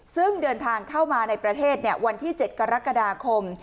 ซึ่งเดินทางเข้ามาในประเทศวันที่๗กรกฎาคม